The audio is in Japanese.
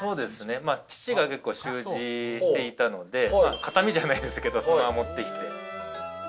父が結構習字していたので、肩身じゃないですけど、そのまま持ってきて。